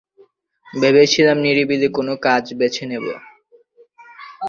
ভেবেছিলাম নিরিবিলি কোনো কাজ বেছে নেবে।